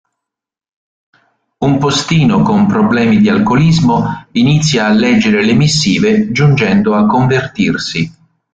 Un postino con problemi di alcolismo inizia a leggere le missive giungendo a convertirsi.